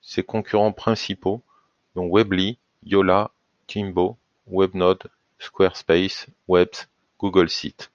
Ses concurrents principaux sont Weebly, Yola, Jimdo, Webnode, Squarespace, Webs, Google Sites.